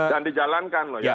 dan dijalankan loh ya